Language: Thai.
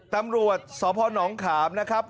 ตำรวจสพนขามนะครับ